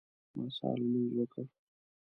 ما سهار لمونځ وکړ.